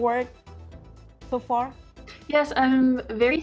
oke jadi kamu sudah selesai dengan kerja kamu